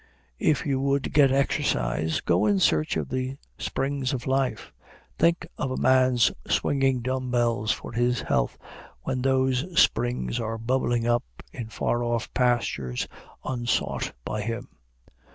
If you would get exercise, go in search of the springs of life. Think of a man's swinging dumb bells for his health, when those springs are bubbling up in far off pastures unsought by him!